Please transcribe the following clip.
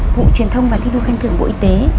vụ truyền thông và thi đua ghen thường bộ y tế